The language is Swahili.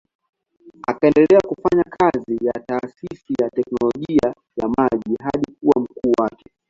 Akaendelea kufanya kazi ya taasisi ya teknolojia ya maji hadi kuwa mkuu wake.